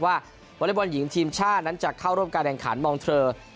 วอเล็กบอลหญิงทีมชาตินั้นจะเข้าร่วมการแข่งขันมองเทอร์